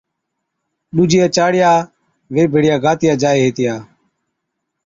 ڏوجِيا چاڙيا وي ڀيڙِيا گاتِيا جائي ھِتيا